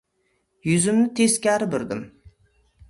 Yuzimni teskari burdim.